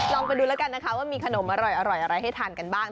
ลองไปดูแล้วกันนะคะว่ามีขนมอร่อยอะไรให้ทานกันบ้าง